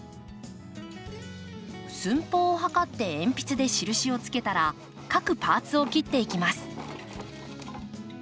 寸法を測って鉛筆で印をつけたら各パ―ツを切っていきます。